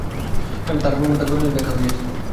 তার এবং তার বন্ধুদের সাথে দেখা হয়েছিল।